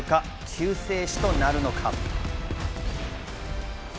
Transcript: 救世主となるのか？